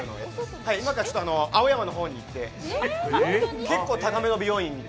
今から青山の方に行って結構高めの美容院に。